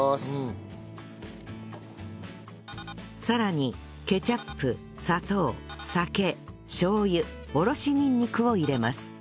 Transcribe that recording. さらにケチャップ砂糖酒しょう油おろしニンニクを入れます